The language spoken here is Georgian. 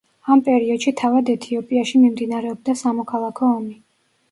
ამ პერიოდში თავად ეთიოპიაში მიმდინარეობდა სამოქალაქო ომი.